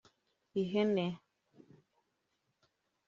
ihene